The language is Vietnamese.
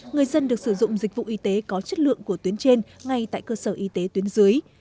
người dân được sử dụng dịch vụ y tế có chất lượng của tuyến trên ngay tại cơ sở y tế tuyến dưới